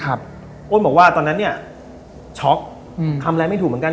อ้นบอกว่าตอนนั้นเนี่ยช็อกทำอะไรไม่ถูกเหมือนกัน